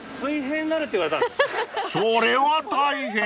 ［それは大変！］